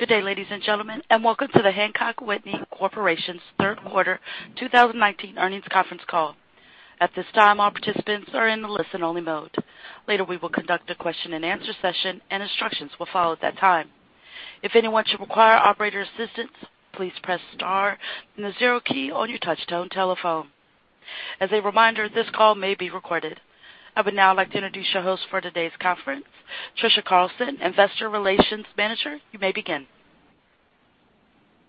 Good day, ladies and gentlemen, and welcome to the Hancock Whitney Corporation's third quarter 2019 earnings conference call. At this time, all participants are in listen-only mode. Later, we will conduct a question and answer session and instructions will follow at that time. If anyone should require operator assistance, please press star then the 0 key on your touch-tone telephone. As a reminder, this call may be recorded. I would now like to introduce your host for today's conference, Trisha Carlson, Investor Relations Manager. You may begin.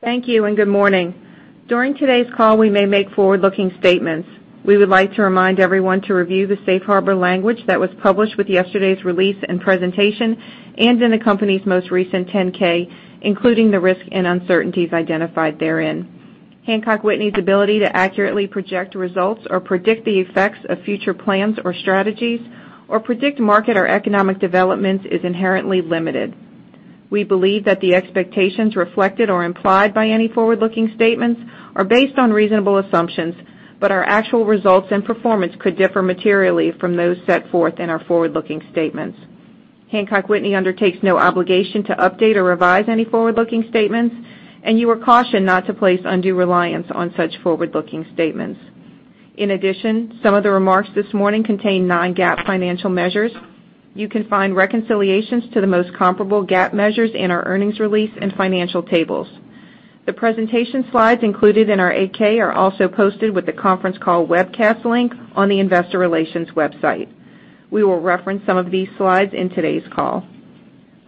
Thank you, and good morning. During today's call, we may make forward-looking statements. We would like to remind everyone to review the safe harbor language that was published with yesterday's release and presentation and in the company's most recent 10-K, including the risks and uncertainties identified therein. Hancock Whitney's ability to accurately project results or predict the effects of future plans or strategies, or predict market or economic developments is inherently limited. We believe that the expectations reflected or implied by any forward-looking statements are based on reasonable assumptions, but our actual results and performance could differ materially from those set forth in our forward-looking statements. Hancock Whitney undertakes no obligation to update or revise any forward-looking statements, and you are cautioned not to place undue reliance on such forward-looking statements. In addition, some of the remarks this morning contain non-GAAP financial measures. You can find reconciliations to the most comparable GAAP measures in our earnings release and financial tables. The presentation slides included in our 8-K are also posted with the conference call webcast link on the investor relations website. We will reference some of these slides in today's call.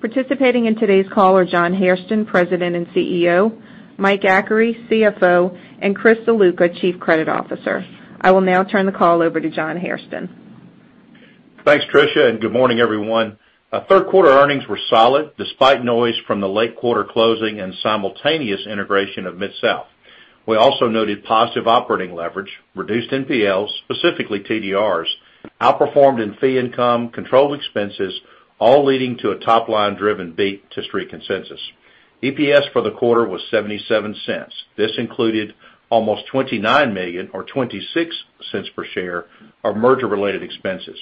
Participating in today's call are John Hairston, President and CEO, Mike Achary, CFO, and Chris Ziluca, Chief Credit Officer. I will now turn the call over to John Hairston. Thanks, Trisha, and good morning, everyone. Our third quarter earnings were solid despite noise from the late quarter closing and simultaneous integration of MidSouth. We also noted positive operating leverage, reduced NPLs, specifically TDRs, outperformed in fee income, controlled expenses, all leading to a top-line driven beat to Street Consensus. EPS for the quarter was $0.77. This included almost $29 million or $0.26 per share of merger-related expenses.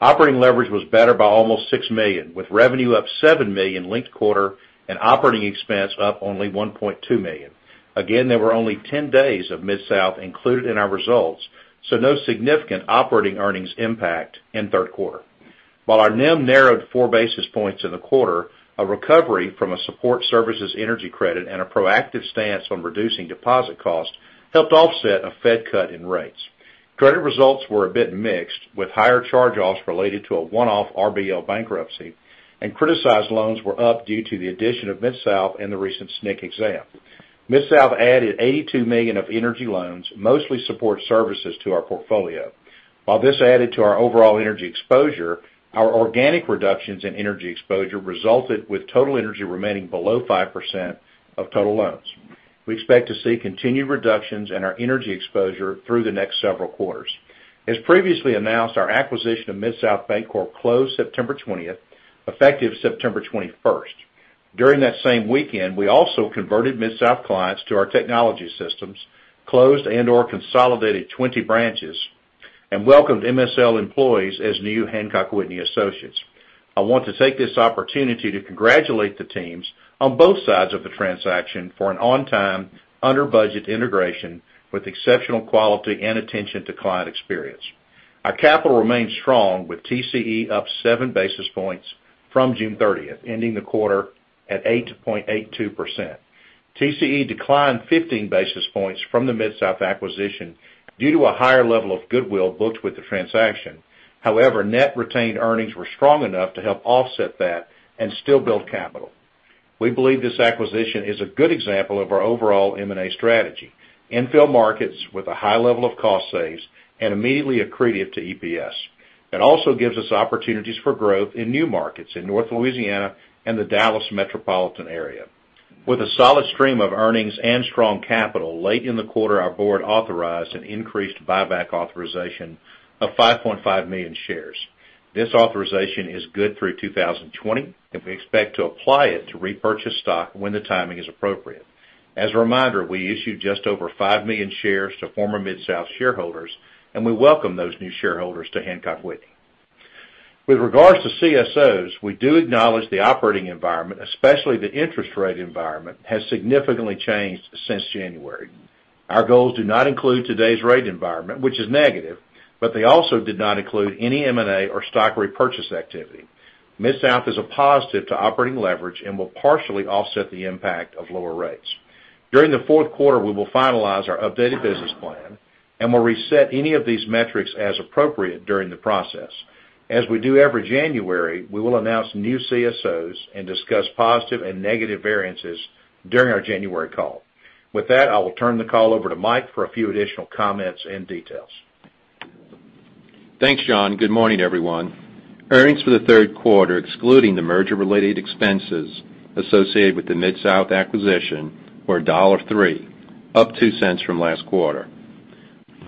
Operating leverage was better by almost $6 million with revenue up $7 million linked quarter and operating expense up only $1.2 million. Again, there were only 10 days of MidSouth included in our results, so no significant operating earnings impact in third quarter. While our NIM narrowed four basis points in the quarter, a recovery from a support services energy credit and a proactive stance on reducing deposit costs helped offset a Fed cut in rates. Credit results were a bit mixed, with higher charge-offs related to a one-off RBL bankruptcy, and criticized loans were up due to the addition of MidSouth and the recent SNC exam. MidSouth added $82 million of energy loans, mostly support services to our portfolio. This added to our overall energy exposure, our organic reductions in energy exposure resulted with total energy remaining below 5% of total loans. We expect to see continued reductions in our energy exposure through the next several quarters. As previously announced, our acquisition of MidSouth Bancorp closed September 20th, effective September 21st. During that same weekend, we also converted MidSouth clients to our technology systems, closed and/or consolidated 20 branches, and welcomed MSL employees as new Hancock Whitney associates. I want to take this opportunity to congratulate the teams on both sides of the transaction for an on-time, under-budget integration with exceptional quality and attention to client experience. Our capital remains strong with TCE up seven basis points from June 30th, ending the quarter at 8.82%. TCE declined 15 basis points from the MidSouth acquisition due to a higher level of goodwill booked with the transaction. Net retained earnings were strong enough to help offset that and still build capital. We believe this acquisition is a good example of our overall M&A strategy, infill markets with a high level of cost saves and immediately accretive to EPS. It also gives us opportunities for growth in new markets in North Louisiana and the Dallas metropolitan area. With a solid stream of earnings and strong capital late in the quarter, our board authorized an increased buyback authorization of 5.5 million shares. This authorization is good through 2020, and we expect to apply it to repurchase stock when the timing is appropriate. As a reminder, we issued just over 5 million shares to former MidSouth shareholders, and we welcome those new shareholders to Hancock Whitney. With regards to CSOs, we do acknowledge the operating environment, especially the interest rate environment, has significantly changed since January. Our goals do not include today's rate environment, which is negative, but they also did not include any M&A or stock repurchase activity. MidSouth is a positive to operating leverage and will partially offset the impact of lower rates. During the fourth quarter, we will finalize our updated business plan and will reset any of these metrics as appropriate during the process. As we do every January, we will announce new CSOs and discuss positive and negative variances during our January call. With that, I will turn the call over to Mike for a few additional comments and details. Thanks, John. Good morning, everyone. Earnings for the third quarter, excluding the merger-related expenses associated with the MidSouth acquisition, were $1.03, up $0.02 from last quarter.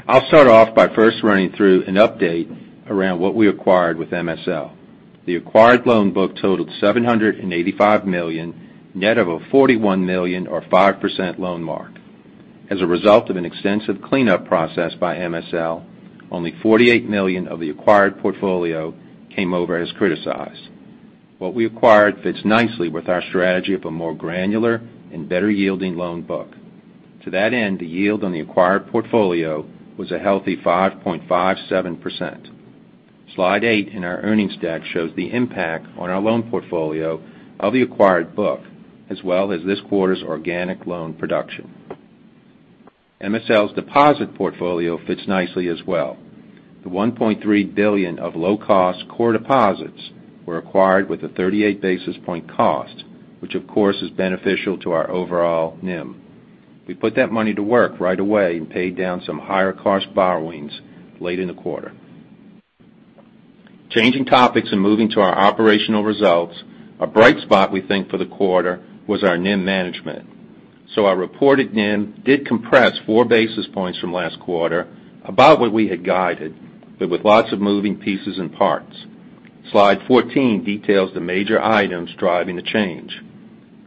I'll start off by first running through an update around what we acquired with MSL. The acquired loan book totaled $785 million, net of a $41 million or 5% loan mark. As a result of an extensive cleanup process by MSL, only $48 million of the acquired portfolio came over as criticized. What we acquired fits nicely with our strategy of a more granular and better-yielding loan book. To that end, the yield on the acquired portfolio was a healthy 5.57%. Slide eight in our earnings deck shows the impact on our loan portfolio of the acquired book, as well as this quarter's organic loan production. MSL's deposit portfolio fits nicely as well. The $1.3 billion of low-cost core deposits were acquired with a 38 basis points cost, which, of course, is beneficial to our overall NIM. We put that money to work right away and paid down some higher-cost borrowings late in the quarter. Changing topics and moving to our operational results. A bright spot, we think, for the quarter, was our NIM management. Our reported NIM did compress four basis points from last quarter, about what we had guided, but with lots of moving pieces and parts. Slide 14 details the major items driving the change.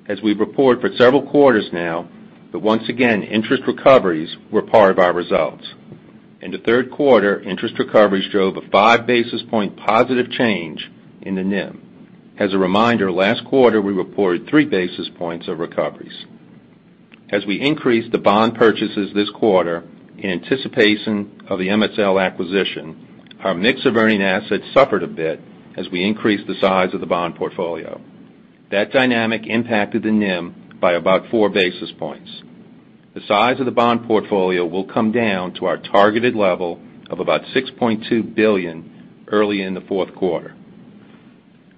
As we've reported for several quarters now, but once again, interest recoveries were part of our results. In the third quarter, interest recoveries drove a five basis point positive change in the NIM. As a reminder, last quarter, we reported three basis points of recoveries. As we increased the bond purchases this quarter in anticipation of the MSL acquisition, our mix of earning assets suffered a bit as we increased the size of the bond portfolio. That dynamic impacted the NIM by about four basis points. The size of the bond portfolio will come down to our targeted level of about $6.2 billion early in the fourth quarter.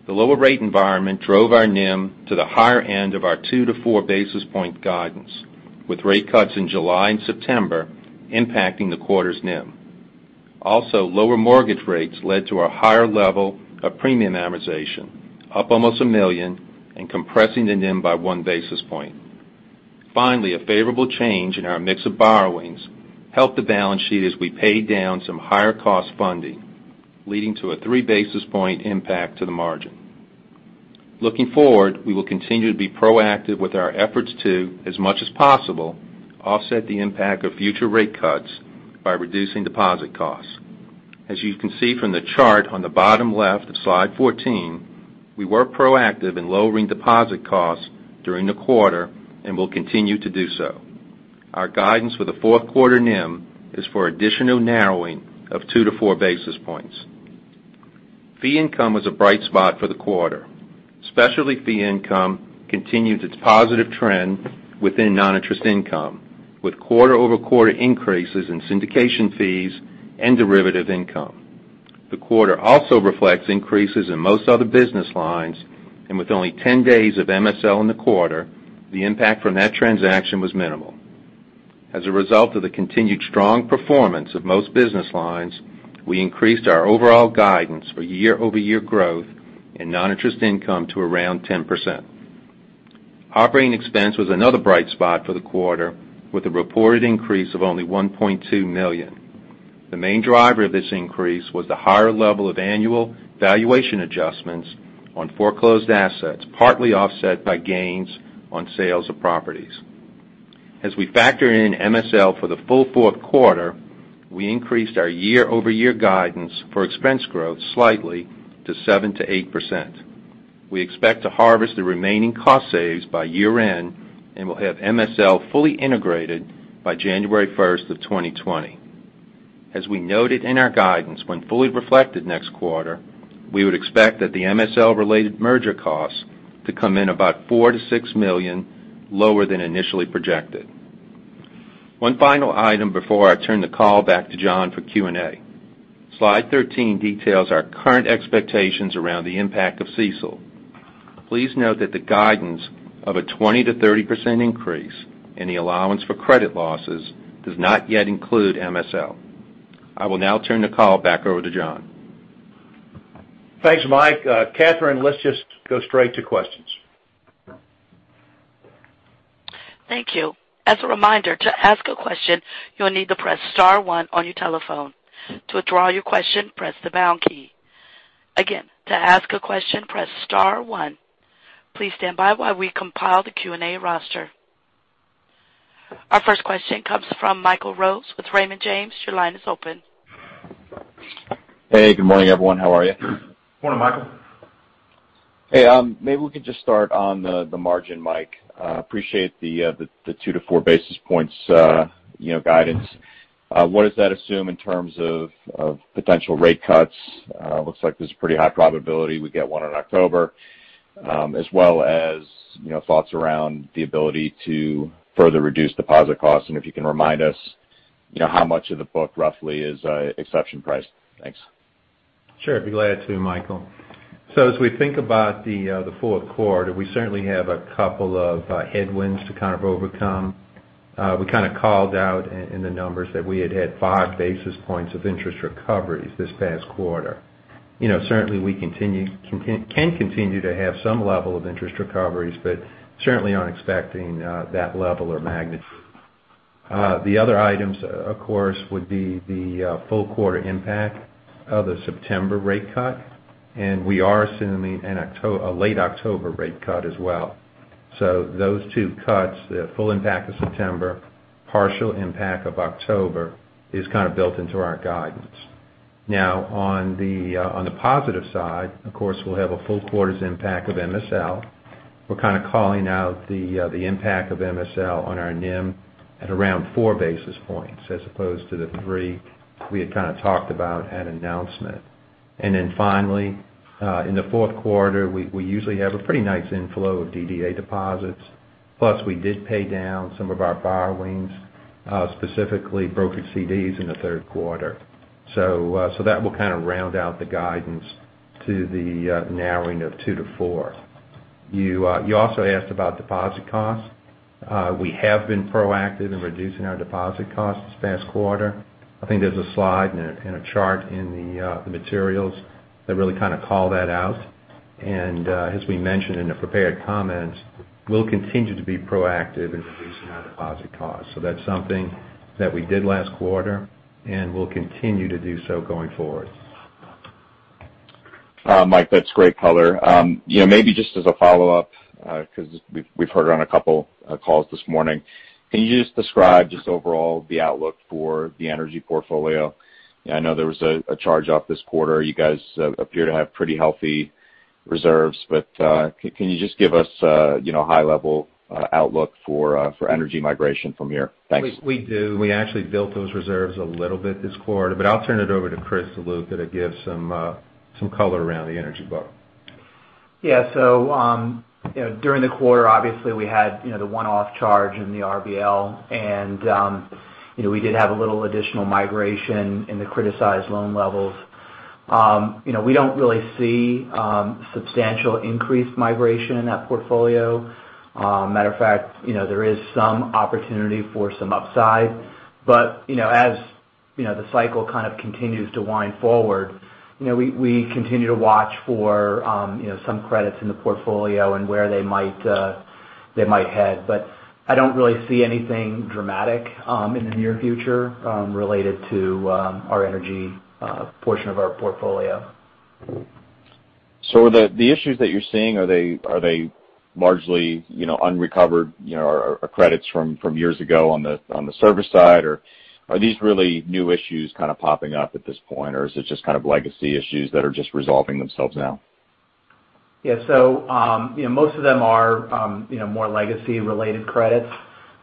The lower rate environment drove our NIM to the higher end of our two to four basis point guidance, with rate cuts in July and September impacting the quarter's NIM. Also, lower mortgage rates led to a higher level of premium amortization, up almost a million, and compressing the NIM by one basis point. Finally, a favorable change in our mix of borrowings helped the balance sheet as we paid down some higher-cost funding, leading to a three basis point impact to the margin. Looking forward, we will continue to be proactive with our efforts to, as much as possible, offset the impact of future rate cuts by reducing deposit costs. As you can see from the chart on the bottom left of slide 14, we were proactive in lowering deposit costs during the quarter and will continue to do so. Our guidance for the fourth quarter NIM is for additional narrowing of two to four basis points. Fee income was a bright spot for the quarter. Specialty fee income continued its positive trend within non-interest income, with quarter-over-quarter increases in syndication fees and derivative income. With only 10 days of MSL in the quarter, the impact from that transaction was minimal. As a result of the continued strong performance of most business lines, we increased our overall guidance for year-over-year growth in non-interest income to around 10%. Operating expense was another bright spot for the quarter, with a reported increase of only $1.2 million. The main driver of this increase was the higher level of annual valuation adjustments on foreclosed assets, partly offset by gains on sales of properties. As we factor in MSL for the full fourth quarter, we increased our year-over-year guidance for expense growth slightly to 7%-8%. We expect to harvest the remaining cost saves by year-end and will have MSL fully integrated by January 1st of 2020. As we noted in our guidance, when fully reflected next quarter, we would expect that the MSL-related merger costs to come in about $4 million-$6 million lower than initially projected. One final item before I turn the call back to John for Q&A. Slide 13 details our current expectations around the impact of CECL. Please note that the guidance of a 20%-30% increase in the allowance for credit losses does not yet include MSL. I will now turn the call back over to John. Thanks, Mike. Catherine, let's just go straight to questions. Thank you. As a reminder, to ask a question, you'll need to press star one on your telephone. To withdraw your question, press the pound key. Again, to ask a question, press star one. Please stand by while we compile the Q&A roster. Our first question comes from Michael Rose with Raymond James. Your line is open. Hey. Good morning, everyone. How are you? Morning, Michael. Hey, maybe we could just start on the margin, Mike. Appreciate the 2 to 4 basis points guidance. What does that assume in terms of potential rate cuts? Looks like there's a pretty high probability we get one in October, as well as thoughts around the ability to further reduce deposit costs, and if you can remind us how much of the book roughly is exception priced? Thanks. Sure. I'd be glad to, Michael. As we think about the fourth quarter, we certainly have a couple of headwinds to kind of overcome. We kind of called out in the numbers that we had had five basis points of interest recoveries this past quarter. Certainly, we can continue to have some level of interest recoveries, but certainly aren't expecting that level or magnitude. The other items, of course, would be the full quarter impact of the September rate cut. We are assuming a late October rate cut as well. Those two cuts, the full impact of September, partial impact of October, is kind of built into our guidance. On the positive side, of course, we'll have a full quarter's impact of MSL. We're kind of calling out the impact of MSL on our NIM at around four basis points as opposed to the three we had kind of talked about at announcement. Finally, in the fourth quarter, we usually have a pretty nice inflow of DDA deposits. Plus, we did pay down some of our borrowings, specifically brokered CDs in the third quarter. That will kind of round out the guidance to the narrowing of two to four. You also asked about deposit costs. We have been proactive in reducing our deposit costs this past quarter. I think there's a slide and a chart in the materials that really kind of call that out. As we mentioned in the prepared comments, we'll continue to be proactive in reducing our deposit costs. That's something that we did last quarter and we'll continue to do so going forward. Mike, that's great color. Maybe just as a follow-up, because we've heard on a couple calls this morning, can you just describe just overall the outlook for the energy portfolio? I know there was a charge off this quarter. You guys appear to have pretty healthy reserves, but can you just give us a high-level outlook for energy migration from here? Thanks. We do. We actually built those reserves a little bit this quarter, but I'll turn it over to Chris to look at and give some color around the energy book. Yeah. During the quarter, obviously, we had the one-off charge in the RBL, and we did have a little additional migration in the criticized loan levels. We don't really see substantial increased migration in that portfolio. Matter of fact, there is some opportunity for some upside, but as the cycle kind of continues to wind forward, we continue to watch for some credits in the portfolio and where they might head. I don't really see anything dramatic in the near future related to our energy portion of our portfolio. The issues that you're seeing, are they largely unrecovered credits from years ago on the services side, or are these really new issues kind of popping up at this point, or is it just kind of legacy issues that are just resolving themselves now? Yeah. Most of them are more legacy-related credits.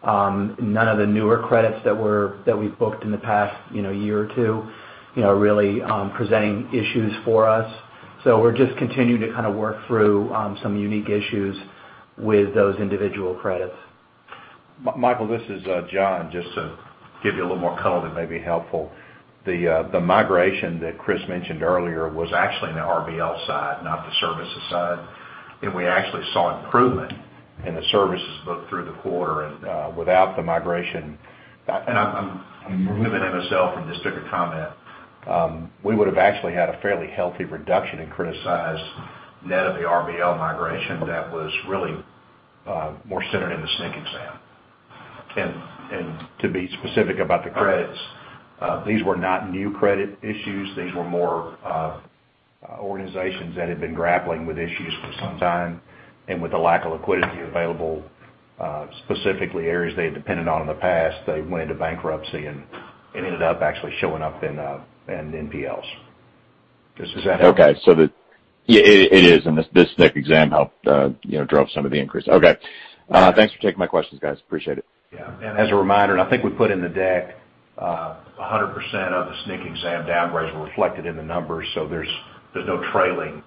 None of the newer credits that we've booked in the past year or two are really presenting issues for us. We're just continuing to kind of work through some unique issues with those individual credits. Michael, this is John. Just to give you a little more color that may be helpful. The migration that Chris mentioned earlier was actually in the RBL side, not the services side. We actually saw improvement in the services booked through the quarter and without the migration. I'm removing MSL from this particular comment. We would've actually had a fairly healthy reduction in criticized net of the RBL migration that was really more centered in the SNC exam. To be specific about the credits, these were not new credit issues. These were more organizations that had been grappling with issues for some time. With the lack of liquidity available, specifically areas they had depended on in the past, they went into bankruptcy and it ended up actually showing up in NPLs. Does that help? Okay. It is. This SNC exam helped drove some of the increase. Okay. Thanks for taking my questions, guys. Appreciate it. Yeah. As a reminder, and I think we put in the deck, 100% of the SNC exam downgrades were reflected in the numbers. There's no trailing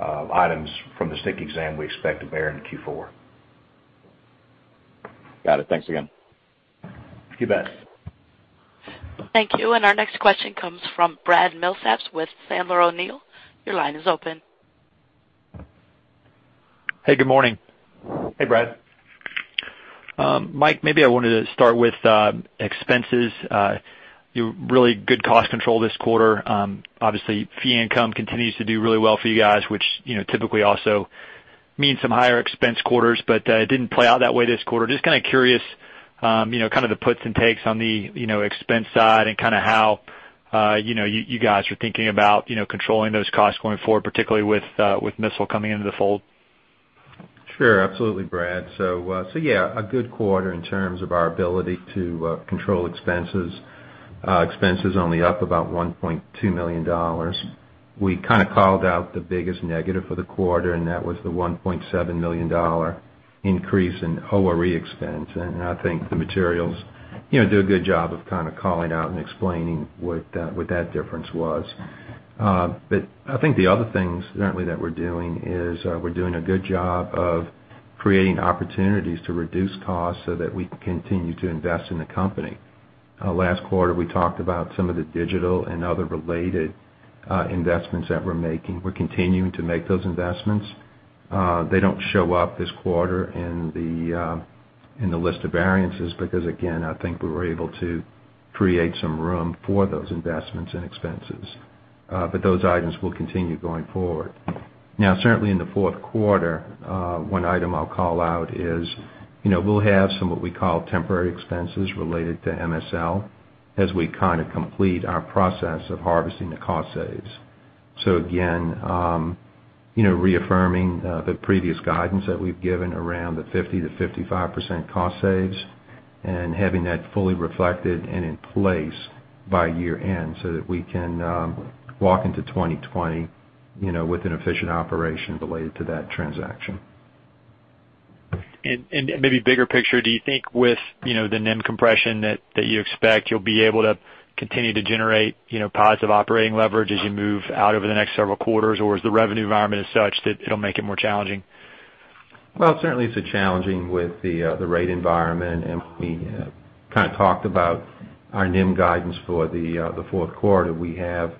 items from the SNC exam we expect to bear in Q4. Got it. Thanks again. You bet. Thank you. Our next question comes from Brad Milsaps with Sandler O'Neill. Your line is open. Hey, good morning. Hey, Brad. Mike, maybe I wanted to start with expenses. Really good cost control this quarter. Obviously, fee income continues to do really well for you guys, which typically also means some higher expense quarters, but it didn't play out that way this quarter. Just kind of curious, kind of the puts and takes on the expense side and kind of how you guys are thinking about controlling those costs going forward, particularly with MSL coming into the fold. Sure. Absolutely, Brad. Yeah, a good quarter in terms of our ability to control expenses. Expenses only up about $1.2 million. We kind of called out the biggest negative for the quarter, and that was the $1.7 million increase in ORE expense. I think the materials do a good job of kind of calling out and explaining what that difference was. I think the other things currently that we're doing is we're doing a good job of creating opportunities to reduce costs so that we can continue to invest in the company. Last quarter, we talked about some of the digital and other related investments that we're making. We're continuing to make those investments. They don't show up this quarter in the list of variances because, again, I think we were able to create some room for those investments and expenses. Those items will continue going forward. Now, certainly in the fourth quarter, one item I'll call out is, we'll have some, what we call temporary expenses related to MSL as we kind of complete our process of harvesting the cost saves. Again, reaffirming the previous guidance that we've given around the 50%-55% cost saves and having that fully reflected and in place by year end so that we can walk into 2020 with an efficient operation related to that transaction. Maybe bigger picture, do you think with the NIM compression that you expect you'll be able to continue to generate positive operating leverage as you move out over the next several quarters? Is the revenue environment as such that it'll make it more challenging? Certainly, it's challenging with the rate environment, and we kind of talked about our NIM guidance for the fourth quarter. We have,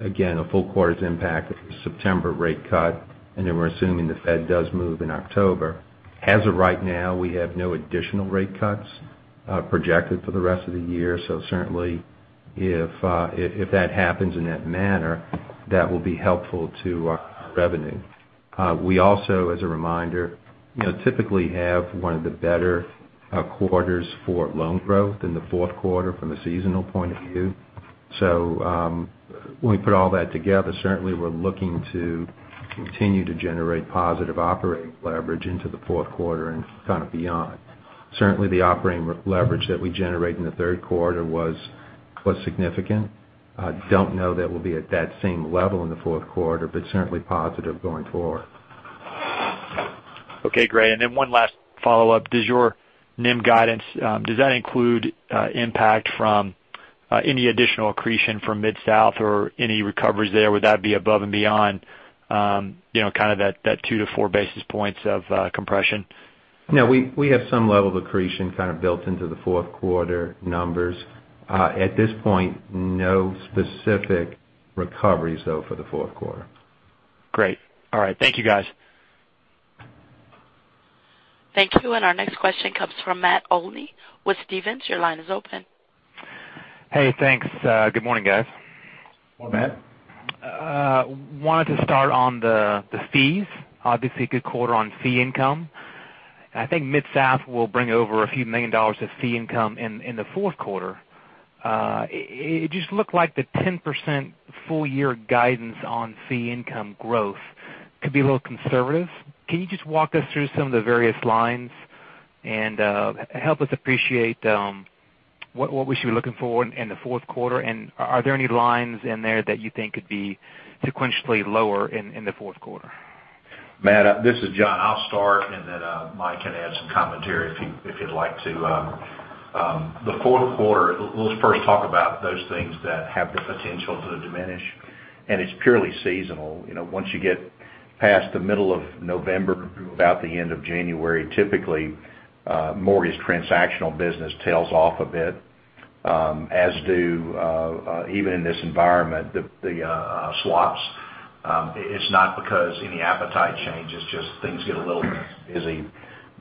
again, a full quarter's impact of the September rate cut, and then we're assuming the Fed does move in October. As of right now, we have no additional rate cuts projected for the rest of the year. Certainly, if that happens in that manner, that will be helpful to our revenue. We also, as a reminder, typically have one of the better quarters for loan growth in the fourth quarter from a seasonal point of view. When we put all that together, certainly we're looking to continue to generate positive operating leverage into the fourth quarter and kind of beyond. The operating leverage that we generate in the third quarter was significant. I don't know that we'll be at that same level in the fourth quarter, but certainly positive going forward. Okay, great. One last follow-up. Does your NIM guidance, does that include impact from any additional accretion from MidSouth or any recoveries there? Would that be above and beyond kind of that two to four basis points of compression? We have some level of accretion kind of built into the fourth quarter numbers. At this point, no specific recoveries though for the fourth quarter. Great. All right. Thank you, guys. Thank you. Our next question comes from Matt Olney with Stephens. Your line is open. Hey, thanks. Good morning, guys. Morning, Matt. Wanted to start on the fees. Obviously, a good quarter on fee income. I think MidSouth will bring over a few million dollars of fee income in the fourth quarter. It just looked like the 10% full-year guidance on fee income growth could be a little conservative. Can you just walk us through some of the various lines and help us appreciate what we should be looking for in the fourth quarter? Are there any lines in there that you think could be sequentially lower in the fourth quarter? Matt, this is John. I'll start, and then Mike can add some commentary if he'd like to. The fourth quarter, let's first talk about those things that have the potential to diminish, and it's purely seasonal. Once you get past the middle of November through about the end of January, typically, mortgage transactional business tails off a bit, as do, even in this environment, the swaps. It's not because any appetite change, it's just things get a little busy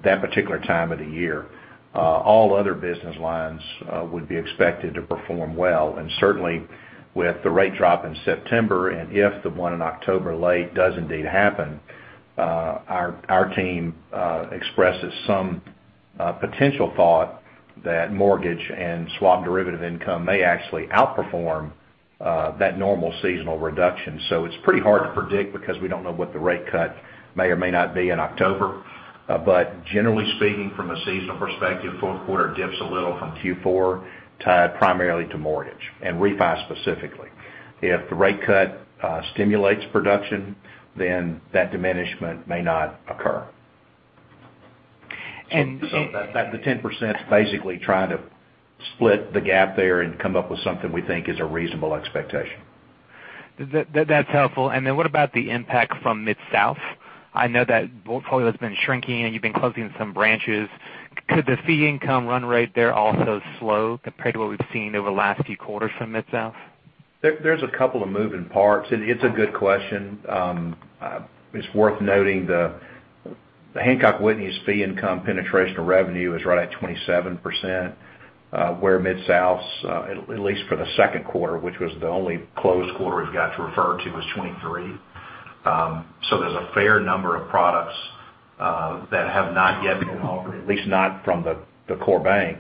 that particular time of the year. All other business lines would be expected to perform well. Certainly, with the rate drop in September, and if the one in October late does indeed happen, our team expresses some potential thought that mortgage and swap derivative income may actually outperform that normal seasonal reduction. It's pretty hard to predict because we don't know what the rate cut may or may not be in October. Generally speaking, from a seasonal perspective, fourth quarter dips a little from Q4, tied primarily to mortgage, and refi specifically. If the rate cut stimulates production, that diminishment may not occur. And- The 10% is basically trying to split the gap there and come up with something we think is a reasonable expectation. That's helpful. Then what about the impact from MidSouth? I know that portfolio's been shrinking, and you've been closing some branches. Could the fee income run rate there also slow compared to what we've seen over the last few quarters from MidSouth? There's a couple of moving parts. It's a good question. It's worth noting the Hancock Whitney's fee income penetration of revenue is right at 27%, where MidSouth's, at least for the second quarter, which was the only closed quarter we've got to refer to, is 23%. There's a fair number of products that have not yet been offered, at least not from the core bank,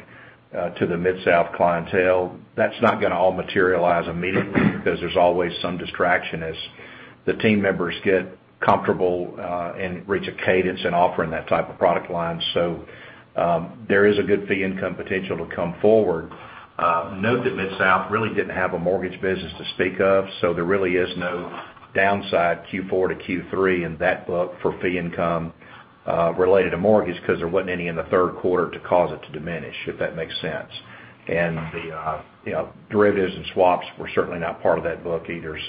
to the MidSouth clientele. That's not going to all materialize immediately because there's always some distraction as the team members get comfortable and reach a cadence in offering that type of product line. There is a good fee income potential to come forward. Note that MidSouth really didn't have a mortgage business to speak of, so there really is no downside Q4 to Q3 in that book for fee income related to mortgage because there wasn't any in the third quarter to cause it to diminish, if that makes sense. The derivatives and swaps were certainly not part of that book either.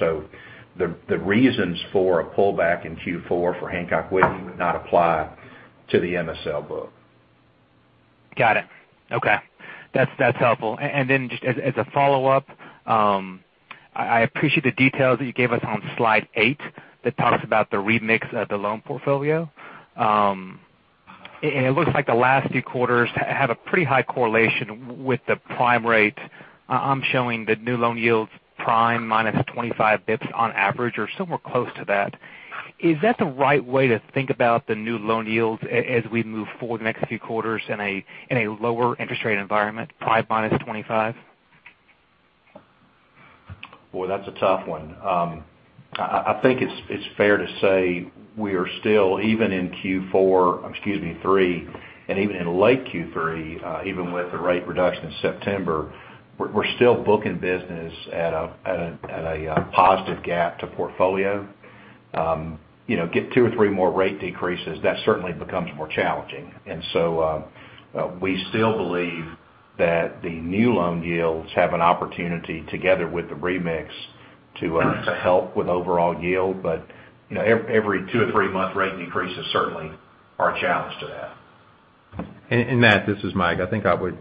The reasons for a pullback in Q4 for Hancock Whitney would not apply to the MSL book. Got it. Okay. That's helpful. Just as a follow-up, I appreciate the details that you gave us on slide eight that talks about the remix of the loan portfolio. It looks like the last few quarters have a pretty high correlation with the prime rate. I'm showing the new loan yields prime minus 25 basis points on average or somewhere close to that. Is that the right way to think about the new loan yields as we move forward the next few quarters in a lower interest rate environment, prime minus 25? Boy, that's a tough one. I think it's fair to say we are still, even in Q4, excuse me, three, and even in late Q3, even with the rate reduction in September, we're still booking business at a positive gap to portfolio. Get two or three more rate decreases, that certainly becomes more challenging. We still believe that the new loan yields have an opportunity, together with the remix, to help with overall yield. Every two or three-month rate decreases certainly are a challenge to that. Matt, this is Mike. I think I would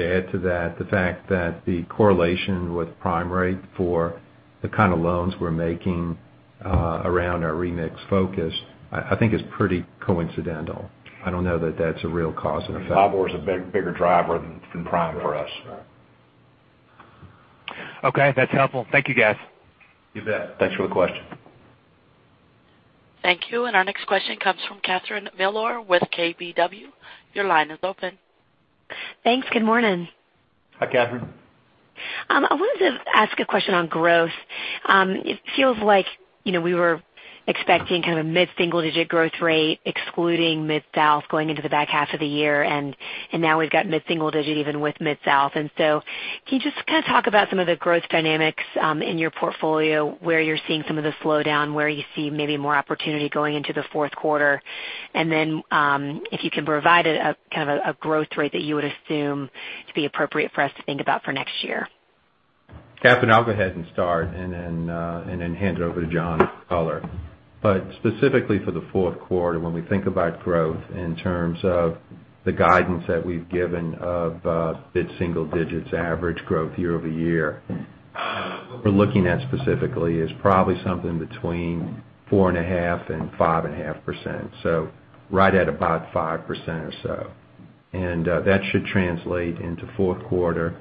add to that the fact that the correlation with prime rate for the kind of loans we're making around our remix focus, I think is pretty coincidental. I don't know that that's a real cause and effect. Libor is a big bigger driver than prime for us. Okay, that's helpful. Thank you, guys. You bet. Thanks for the question. Thank you. Our next question comes from Catherine Mealor with KBW. Your line is open. Thanks. Good morning. Hi, Catherine. I wanted to ask a question on growth. It feels like we were expecting kind of a mid-single-digit growth rate, excluding MidSouth going into the back half of the year, and now we've got mid-single digit even with MidSouth. Can you just kind of talk about some of the growth dynamics in your portfolio, where you're seeing some of the slowdown, where you see maybe more opportunity going into the fourth quarter, and then if you can provide a growth rate that you would assume to be appropriate for us to think about for next year? Catherine, I'll go ahead and start and then hand it over to John M. Hairston. Specifically for the fourth quarter, when we think about growth in terms of the guidance that we've given of mid-single digits average growth year-over-year, what we're looking at specifically is probably something between four and a half and five and a half percent. Right at about 5% or so. That should translate into fourth quarter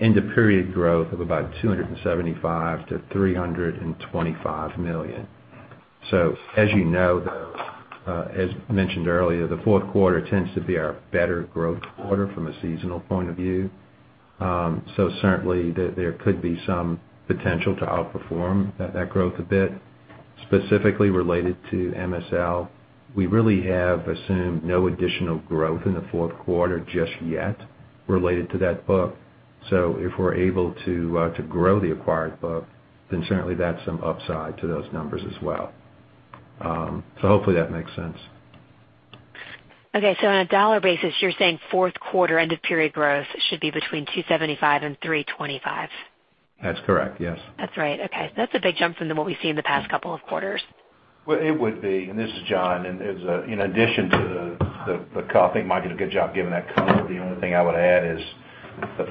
end of period growth of about $275 million-$325 million. As you know, though, as mentioned earlier, the fourth quarter tends to be our better growth quarter from a seasonal point of view. Certainly, there could be some potential to outperform that growth a bit. Specifically related to MSL, we really have assumed no additional growth in the fourth quarter just yet related to that book. If we're able to grow the acquired book, then certainly that's some upside to those numbers as well. Hopefully that makes sense. On a dollar basis, you're saying fourth quarter end of period growth should be between $275 and $325. That's correct, yes. That's right. Okay. That's a big jump from what we've seen in the past couple of quarters. It would be, this is John, in addition to the copy, Mike did a good job giving that color. The only thing I would add is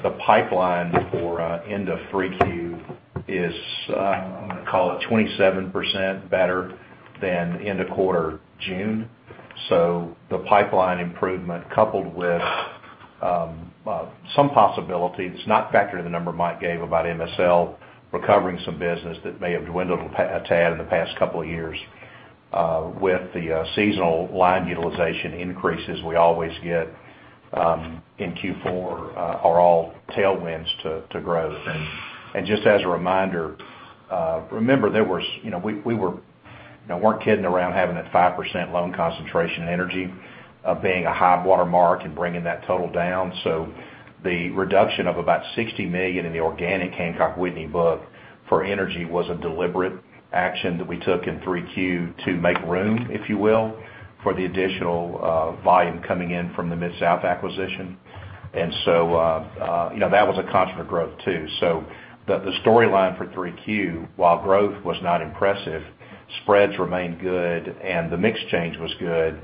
the pipeline for end of 3Q is, call it 27% better than end of quarter June. The pipeline improvement coupled with some possibility, it's not factored in the number Mike gave about MSL recovering some business that may have dwindled a tad in the past couple of years, with the seasonal line utilization increases we always get in Q4 are all tailwinds to growth. Just as a reminder, remember we weren't kidding around having that 5% loan concentration in energy being a high water mark and bringing that total down. The reduction of about $60 million in the organic Hancock Whitney book for energy was a deliberate action that we took in 3Q to make room, if you will, for the additional volume coming in from the MidSouth acquisition. That was a contributor growth, too. The storyline for 3Q, while growth was not impressive, spreads remained good and the mix change was good.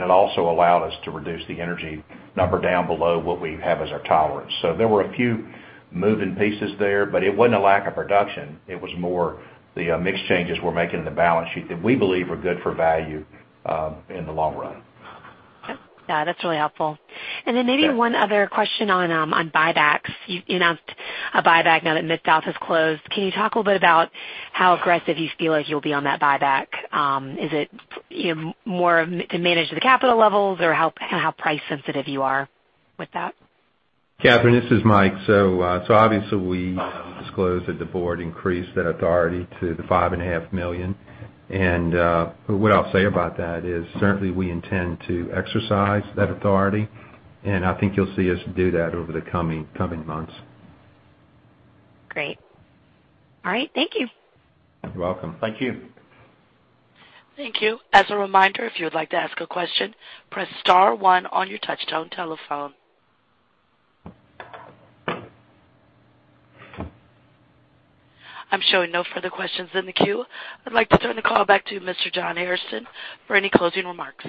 It also allowed us to reduce the energy number down below what we have as our tolerance. There were a few moving pieces there, but it wasn't a lack of production. It was more the mix changes we're making in the balance sheet that we believe are good for value in the long run. Yeah, that's really helpful. Maybe one other question on buybacks. You announced a buyback now that MidSouth has closed. Can you talk a little bit about how aggressive you feel like you'll be on that buyback? Is it more to manage the capital levels or how price sensitive you are with that? Catherine, this is Mike. Obviously, we disclosed that the board increased that authority to the five and a half million. What I'll say about that is certainly we intend to exercise that authority, and I think you'll see us do that over the coming months. Great. All right. Thank you. You're welcome. Thank you. Thank you. As a reminder, if you would like to ask a question, press star one on your touchtone telephone. I'm showing no further questions in the queue. I'd like to turn the call back to Mr. John Hairston for any closing remarks.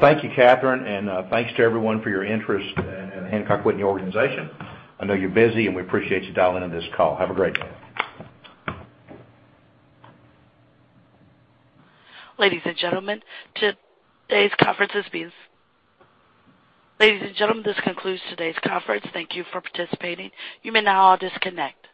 Thank you, Catherine, and thanks to everyone for your interest in Hancock Whitney organization. I know you're busy, and we appreciate you dialing in this call. Have a great day. Ladies and gentlemen, this concludes today's conference. Thank you for participating. You may now all disconnect.